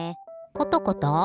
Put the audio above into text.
コトコト？